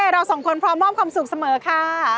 เราสองคนพร้อมมอบความสุขเสมอค่ะ